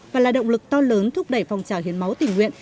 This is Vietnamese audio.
và là động lực to lớn thúc đẩy phong trào hiến máu tình nguyện